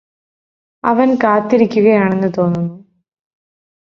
അവന് കാത്തിരിക്കുകയാണെന്ന് തോന്നുന്നു